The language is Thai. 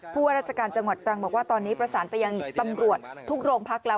ว่าราชการจังหวัดตรังบอกว่าตอนนี้ประสานไปยังตำรวจทุกโรงพักแล้ว